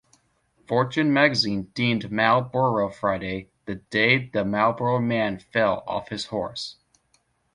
"Fortune" magazine deemed Marlboro Friday "the day the Marlboro Man fell off his horse.